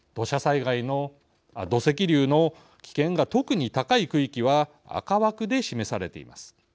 土石流の危険が特に高い区域は赤枠で示されています。